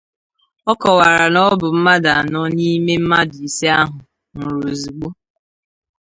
Ọ kọwara na ọ bụ mmadụ anọ n'ime mmadụ ise ahụ nwụrụ ozigbo